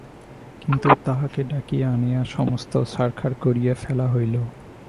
কিন্তু তাহাকে ডাকিয়া আনিয়া সমস্ত ছারখার করিয়া ফেলা হইল।